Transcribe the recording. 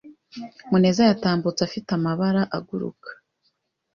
Muneza yatambutse afite amabara aguruka.